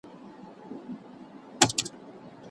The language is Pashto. له جهانه کوچېدلی حقیقت دی